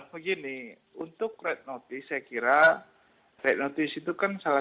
begini untuk red notice saya kira red notice itu kan salah satu alat untuk melacak ya keberadaan orang di luar negara asalnya